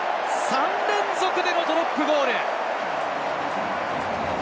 ３連続でのドロップゴール！